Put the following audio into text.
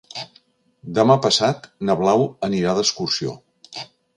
Demà passat na Blau anirà d'excursió.